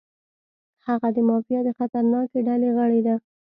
هغه د مافیا د خطرناکې ډلې غړی و.